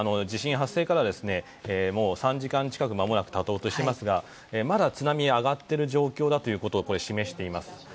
地震発生からもう３時間近くが経とうとしていますがまだ、津波が上がっている状況だということをこれは示しています。